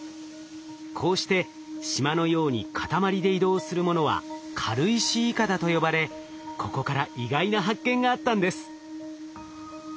こうして島のように塊で移動するものは「軽石いかだ」と呼ばれここから意外な発見があったんです。